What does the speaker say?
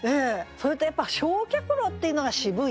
それとやっぱ「焼却炉」っていうのが渋い。